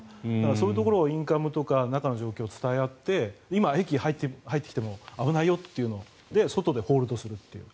そういうところをインカムとか中の状況を伝え合って今、駅に入ってきても危ないよというのをで、外でホールドするという。